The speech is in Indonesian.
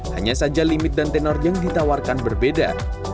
hanya saja limit dan tenor yang ditawarkan berbeda